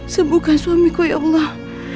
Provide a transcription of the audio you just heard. sebukan suamiku ya allah